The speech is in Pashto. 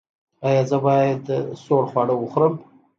ایا زه باید سوړ خواړه وخورم؟